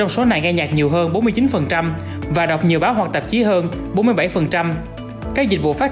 xin chào chị ạ